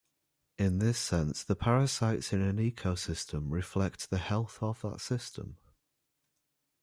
In this sense, the parasites in an ecosystem reflect the health of that system.